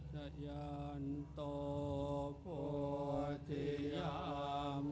จะส่งสัญญาณลั่นของมงคลว่าทุกข์อาหารรวมตัว